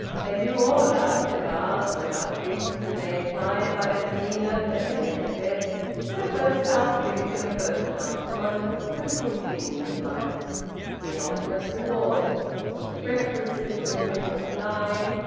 They knew all about cigars and about drinks, and they implied by their demeanour, though they never said, that a first class drink and a first class smoke were the `good things' of life, the ultimate rewards; the references to women were sly...